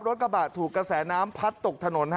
รถกระบะถูกกระแสน้ำพัดตกถนน